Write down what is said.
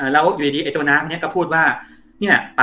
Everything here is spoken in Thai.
รอครับครับ